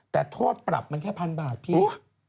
แต่โทษปรับมันแค่พันบาทพี่